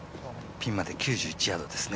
ピンまで９１ヤードですね。